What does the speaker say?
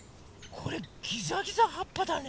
これギザギザはっぱだね。